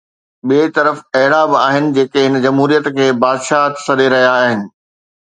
ٻئي طرف اهڙا به آهن جيڪي هن جمهوريت کي بادشاهت سڏي رهيا آهن.